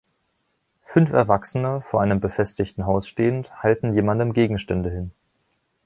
Fünf Erwachsene, vor einem befestigten Haus stehend, halten jemandem Gegenstände hin.